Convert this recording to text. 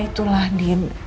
ya itulah din